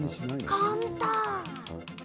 簡単。